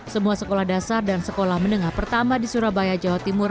semua sekolah dasar dan sekolah menengah pertama di surabaya jawa timur